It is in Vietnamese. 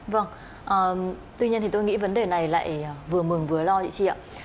vâng tuy nhiên thì tôi nghĩ vấn đề này lại vừa mừng vừa lo chị ạ